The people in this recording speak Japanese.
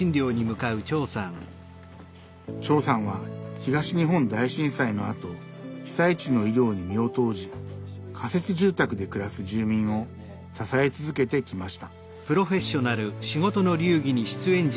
長さんは東日本大震災のあと被災地の医療に身を投じ仮設住宅で暮らす住民を支え続けてきました。